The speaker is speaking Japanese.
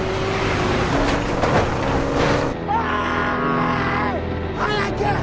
おーい！早く